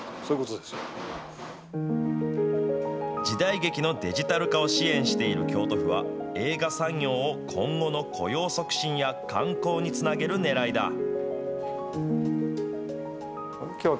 時代劇のデジタル化を支援している京都府は、映画産業を今後の雇用促進や観光につなげるねらいだ。